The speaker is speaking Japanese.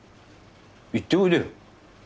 行っておいでよ。